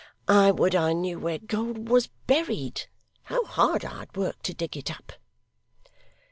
I would I knew where gold was buried. How hard I'd work to dig it up!